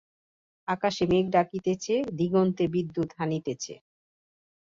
আকাশে মেঘ ডাকিতেছে, দিগন্তে বিদ্যুৎ হানিতেছে।